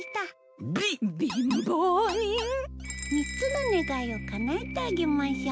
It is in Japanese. ３つの願いをかなえてあげましょう。